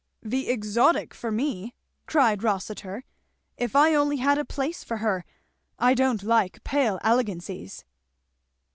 "The exotic for me!" cried Rossitur, "if I only had a place for her. I don't like pale elegancies."